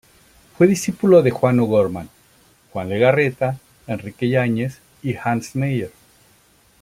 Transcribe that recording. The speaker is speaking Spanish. Fue discípulo de Juan O'Gorman, Juan Legarreta, Enrique Yáñez y Hannes Meyer.